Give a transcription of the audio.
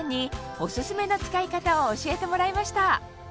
オススメの使い方を教えてもらいました